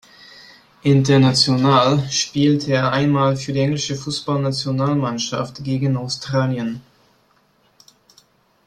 International spielte er ein Mal für die englische Fußballnationalmannschaft gegen Australien.